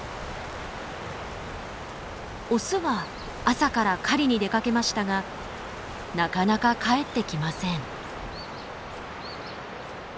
オスは朝から狩りに出かけましたがなかなか帰ってきません。